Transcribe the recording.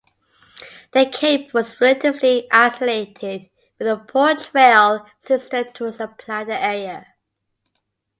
The cape was relatively isolated, with a poor trail system to supply the area.